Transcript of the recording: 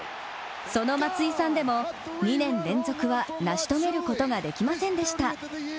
その松井さんでも２年連続は成し遂げることができませんでした。